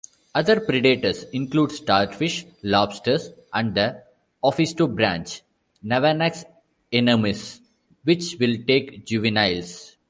Other predators include starfish, lobsters, and the ophistobranch "Navanax inermis" which will take juveniles.